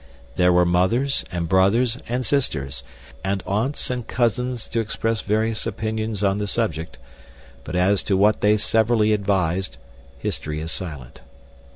There were mothers and brothers and sisters, and aunts and cousins to express various opinions on the subject, but as to what they severally advised history is silent.